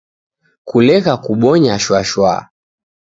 Kulegha kubonya shwa -shwa